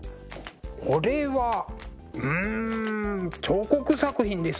これはうん彫刻作品ですね。